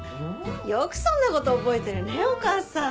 よくそんな事覚えてるねお義母さん。